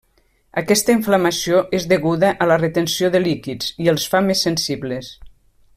Aquesta inflamació és deguda a la retenció de líquids i els fa més sensibles.